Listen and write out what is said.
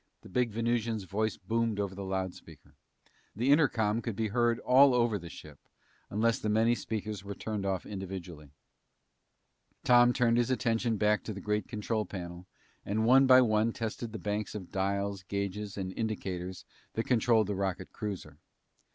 The big Venusian's voice boomed over the loud speaker. The intercom could be heard all over the ship unless the many speakers were turned off individually. Tom turned his attention back to the great control panel, and one by one tested the banks of dials, gauges, and indicators that controlled the rocket cruiser.